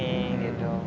jika asap horas di tidur